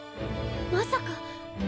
まさかっ！